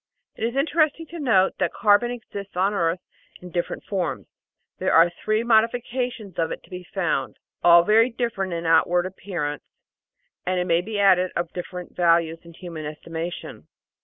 It is interesting to note that carbon exists on earth in differ ent forms ; there are three modifications of it to be found, all very different in outward appearance, and it may be added, of different values in human estimation.